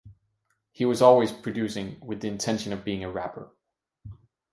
He was always producing with the intention of being a rapper.